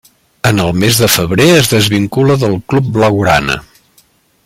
En el mes de febrer es desvincula del club blaugrana.